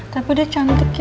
tapi dia cantik ya